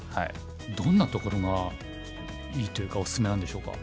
どんなところがいいっていうかおすすめなんでしょうか。